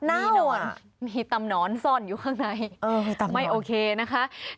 มีหนอนมีตำหนอนซ่อนอยู่ข้างในไม่โอเคนะคะเออตำหนอน